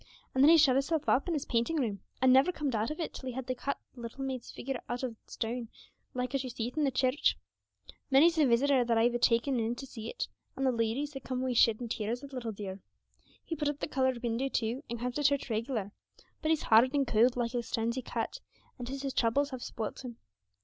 And then he shut hisself up in his painting room, and never comed out of it till he had cut the little maid's figure out in stone, like as you see it in the church. Many's the visitor that I've a taken in to see it; and the ladies, they comes away sheddin' tears at the little dear. He put up the coloured window too, and comes to church reg'lar; but he's hard and cold, like the stones he cut, and 'tis his troubles have spoilt him.